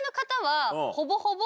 ほぼほぼ。